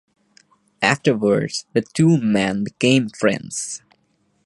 Afterwards, the two men became friends.